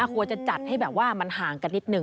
ควรจะจัดให้มันห่างกันนิดนึง